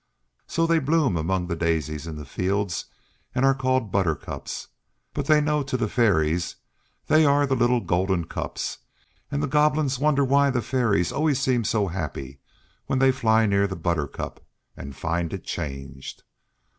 So they bloom among the Daisies in the fields and are called Buttercups, but they know to the Fairies they are the little Golden Cups, and the Goblins wonder why the Fairies always seem so happy when they fly near the Buttercup and find it changed.